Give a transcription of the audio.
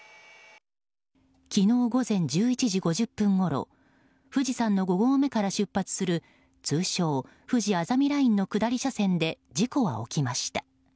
昨日午前１１時５０分ごろ富士山の５合目から出発する通称ふじあざみラインの下り車線で事故は起きました。